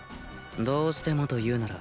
どうしてもというなら